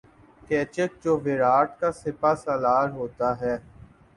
کیچک جو ویراٹ کا سپاہ سالار ہوتا ہے